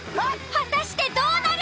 果たしてどうなる！？